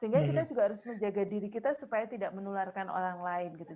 sehingga kita juga harus menjaga diri kita supaya tidak menularkan orang lain gitu